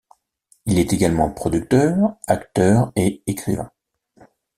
Il est également producteur, acteur et écrivain.